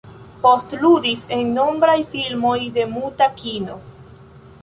Post ludis en nombraj filmoj de muta kino.